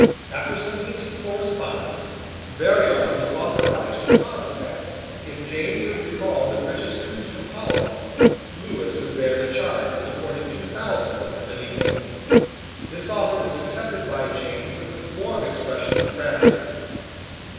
After some weeks of correspondence, Barillon was authorised to promise that, if James would recall the British troops from Holland, Lewis would bear the charge of supporting two thousand of them in England. This offer was accepted by James with warm expressions of gratitude.